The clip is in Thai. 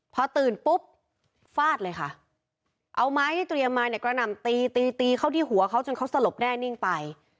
พอตื่นปุ๊บฟาดเลยค่ะเอาไม้ที่เตรียมมาเนี่ยกระหน่ำตีตีตีเข้าที่หัวเขาจนเขาสลบแน่นิ่งไป